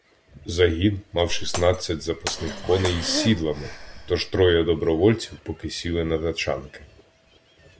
Загін мав шістнадцять запасних коней із сідлами — тож троє добровольців поки сіли на тачанки.